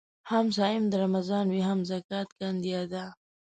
هم صايم د رمضان وي هم زکات کاندي ادا